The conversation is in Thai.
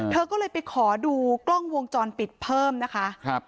เธอก็เลยไปขอดูกล้องวงจรปิดเพิ่มนะคะ